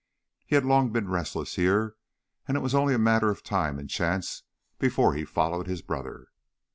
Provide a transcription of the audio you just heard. He had long been restless here, and it was only a matter of time and chance before he followed his brother.